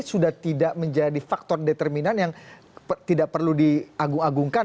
sudah tidak menjadi faktor determinan yang tidak perlu diagung agungkan